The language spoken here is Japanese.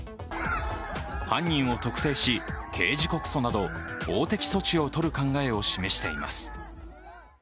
犯人を特定し、刑事告訴など法的措置をとる考を示しています。